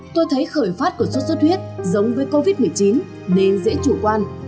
tôi thấy khởi phát của sốt xuất huyết giống với covid một mươi chín nên dễ chủ quan